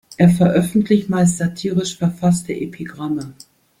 Er veröffentlicht meist satirisch verfasste Epigramme.